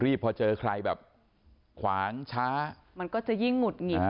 พอเจอใครแบบขวางช้ามันก็จะยิ่งหุดหงิด